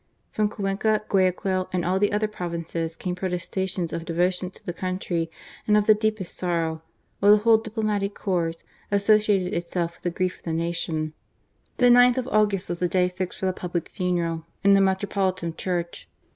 um Cuenca, Guayaquil, and all the other provi es came protestations of devotion to the countrj' a.id of the deepest sorrow, while the whole Diplomatic Corps associated itself with the grief of the nation. The gth of August was the day fixed for the public funeral in the metro politan church.